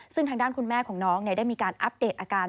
ซึ่งทางด้านคุณแม่ของน้องได้มีการอัปเดตอาการ